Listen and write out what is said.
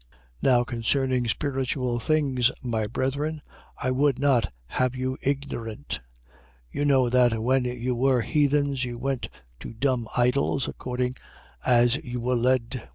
12:1. Now concerning spiritual things, my brethren, I would not have you ignorant. 12:2. You know that when you were heathens, you went to dumb idols, according as you were led.